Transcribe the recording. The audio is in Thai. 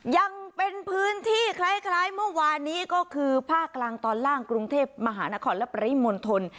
ยังเป็นพื้นที่คล้ายเมื่อวานนี้ก็คือภาคกลางตอนล่างกรุงเทพมหานครและปริมณฑล